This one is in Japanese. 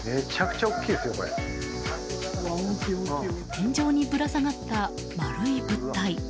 天井にぶら下がった丸い物体。